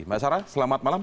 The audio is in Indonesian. mbak sara selamat malam